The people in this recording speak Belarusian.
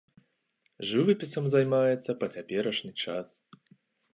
Жывапісам займаецца па цяперашні час.